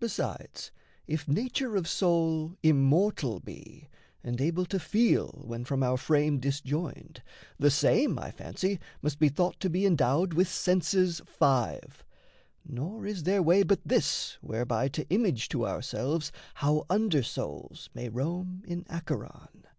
Besides, if nature of soul immortal be, And able to feel, when from our frame disjoined, The same, I fancy, must be thought to be Endowed with senses five, nor is there way But this whereby to image to ourselves How under souls may roam in Acheron.